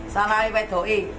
salah ewe doi